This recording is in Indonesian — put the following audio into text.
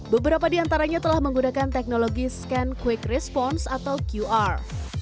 beberapa di antaranya telah menggunakan teknologi scan quick response atau qr